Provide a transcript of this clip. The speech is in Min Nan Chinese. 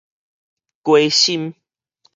雞心